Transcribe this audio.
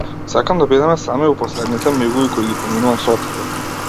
Сакам да бидеме сами во последните мигови кои ги поминувам со тебе.